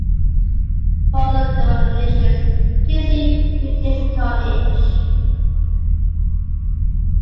For other denominations, please see British coinage.